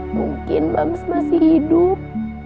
mungkin mams masih hidup